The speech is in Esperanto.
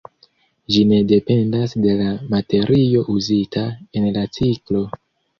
Ĝi ne dependas de la materio uzita en la ciklo.